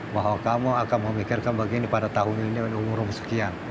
bahwa kamu akan memikirkan begini pada tahun ini umur sekian